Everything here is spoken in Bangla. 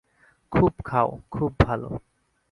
খুব খাও, খুব ভাল।